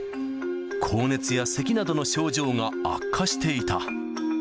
高熱やせきなどの症状が悪化していた。